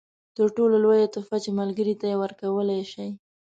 تر ټولو لویه تحفه چې ملګري ته یې ورکولای شئ.